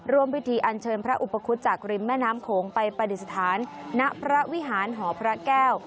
ร่วมพิธีอันเชิญพระอุปคุฎจากริมแม่น้ำโขงไปปฏิสถานณพระวิหารหอพระแก้ว